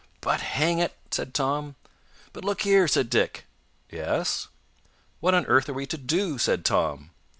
"But, hang it " said Tom. "But, look here " said Dick. "Yes?" "What on earth are we to do?" said Tom.